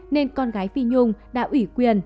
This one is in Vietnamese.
nên con gái phi nhung đã ủy quyền